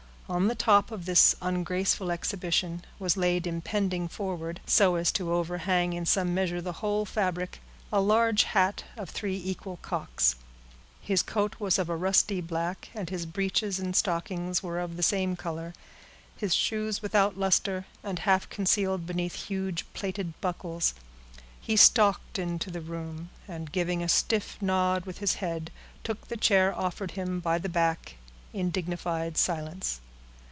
On the top of this ungraceful exhibition was laid impending forward, so as to overhang in some measure the whole fabric, a large hat of three equal cocks. His coat was of a rusty black, and his breeches and stockings were of the same color; his shoes without luster, and half concealed beneath huge plated buckles. He stalked into the room, and giving a stiff nod with his head, took the chair offered him by the black, in dignified silence.